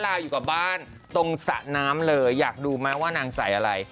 ลาอยู่กับบ้านตรงสระน้ำเลยอยากดูไหมว่านางใส่อะไร